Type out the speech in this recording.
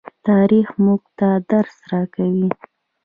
تاریخ موږ ته درس راکوي.